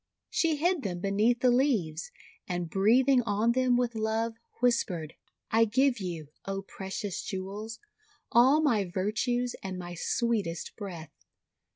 She hid them beneath the leaves, and breathing on them with love, whispered :— 'I give you, O precious jewels, all my virtues and my sweetest breath.